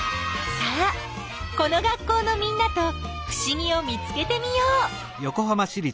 さあこの学校のみんなとふしぎを見つけてみよう！